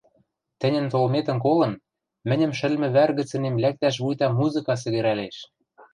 Тӹньӹн толметӹм колын, мӹньӹм шӹлмӹ вӓр гӹцӹнем лӓктӓш вуйта музыка сӹгӹрӓлеш.